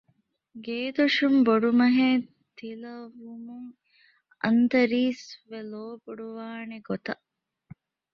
ގޭދޮށުން ބޮޑުމަހެއް ތިލަވުމުން އަންތަރީސްވެ ލޯބޮޑުވާނޭ ގޮތަށް